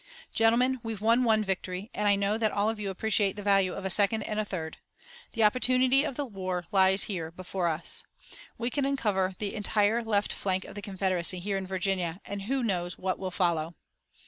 Gentlemen, we've won one victory, and I know that all of you appreciate the value of a second and a third. The opportunity of the war lies here before us. We can uncover the entire left flank of the Confederacy here in Virginia, and who knows what will follow!"